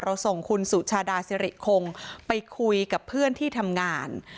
ส่งคุณสุชาดาสิริคงไปคุยกับเพื่อนที่ทำงาน